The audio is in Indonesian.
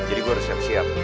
jadi gua harus siap siap